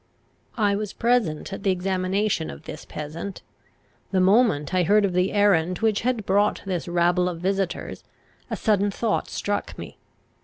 I was present at the examination of this peasant. The moment I heard of the errand which had brought this rabble of visitors, a sudden thought struck me.